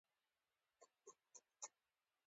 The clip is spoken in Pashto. هغه پر سړک مالګه شیندله چې ټایرونه پرې ونه کړېږي.